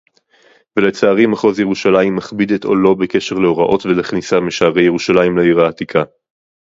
ולצערי מחוז ירושלים מכביד את עולו בקשר להוראות ולכניסה משערי ירושלים לעיר העתיקה